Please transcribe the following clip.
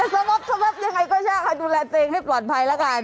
สงบสวับยังไงก็ใช่ค่ะดูแลตัวเองให้ปลอดภัยแล้วกัน